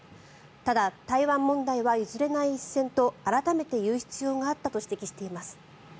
ただ台湾問題は譲れない一線と改めて言う必要があったと指摘しています。